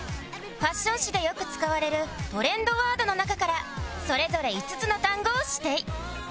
ファッション誌でよく使われるトレンドワードの中からそれぞれ５つの単語を指定